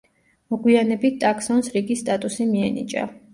მოგვიანებით ტაქსონს რიგის სტატუსი მიენიჭა.